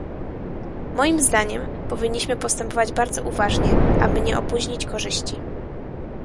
Moim zdaniem powinniśmy postępować bardzo uważnie, aby nie opóźnić korzyści